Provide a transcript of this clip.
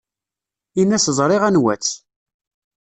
Ini-as ẓriɣ anwa-tt.